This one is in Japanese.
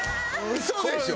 嘘でしょ？